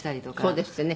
「そうですってね」